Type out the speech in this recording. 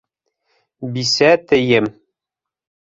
Бисә тейем!